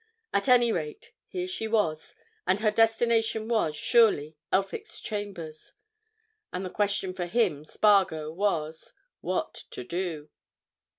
At any rate, here she was, and her destination was, surely, Elphick's chambers. And the question for him, Spargo, was—what to do?